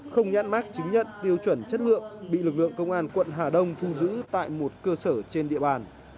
không nhãn mát chứng nhận tiêu chuẩn chất lượng bị lực lượng công an quận hà đông thu giữ tại một cơ sở trên địa bàn